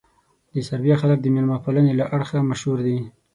د سربیا خلک د مېلمه پالنې له اړخه مشهور دي.